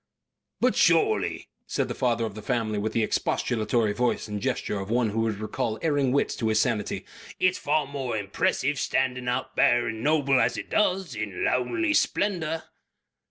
"But surely," said the father of the family with the expostulatory voice and gesture of one who would recall erring wits to sanity, "it is far more impressive standing out bare and noble as it does. In lonely splendour."